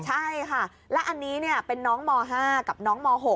ใช่ค่ะและอันนี้เป็นน้องม๕กับน้องม๖